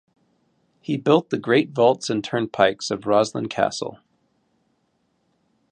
He built the great vaults and turnpikes of Roslin Castle.